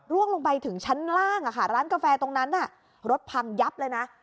ลงไปถึงชั้นล่างร้านกาแฟตรงนั้นรถพังยับเลยนะ